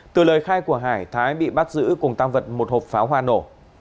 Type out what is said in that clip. từ lời khai của hải thái bị bắt giữ cùng tăng vật một hộp pháo hoa nổ